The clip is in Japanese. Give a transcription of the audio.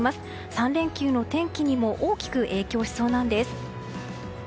３連休の天気にも大きく影響しそうなんです。